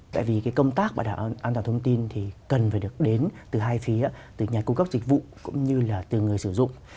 tại vì cái công tác bảo đảm an toàn thông tin thì cần phải được đến từ hai phía từ nhà cung cấp dịch vụ cũng như là từ người sử dụng